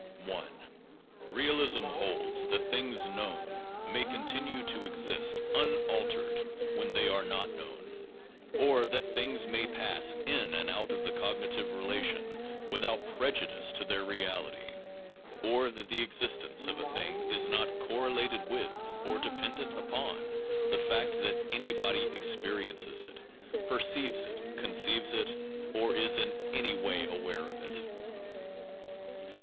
1. Realism holds that things known may continue to exist unal tered when they are not known, or that things may pass in and out of the cognitive relation without prejudice to their reality, or that the existence of a thing is not correlated with or dependent upon the fact that anybody experiences it, perceives it, conceives it, or is in any way aware of it.